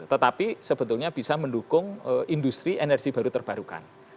tetapi sebetulnya bisa mendukung industri energi baru terbarukan